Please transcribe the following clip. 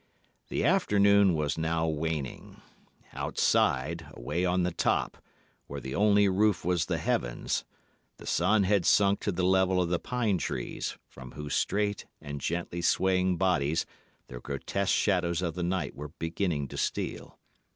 "The afternoon was now waning. Outside, away on the top, where the only roof was the heavens, the sun had sunk to the level of the pine trees, from whose straight and gently swaying bodies the grotesque shadows of the night were beginning to steal.